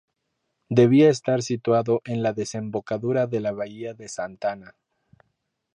Debía estar situado en la desembocadura de la Bahía de Santa Ana.